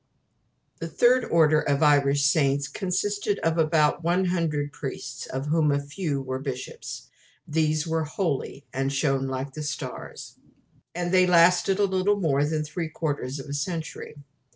The Third Order of Irish saints consisted of about 100 priests, of whom a few were bishops: "these were HOLY, and shone like the stars"; and they lasted a little more than three quarters of a century.